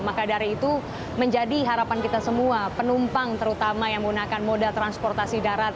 maka dari itu menjadi harapan kita semua penumpang terutama yang menggunakan moda transportasi darat